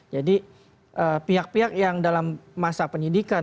jadi pihak pihak yang dalam masa penyidikan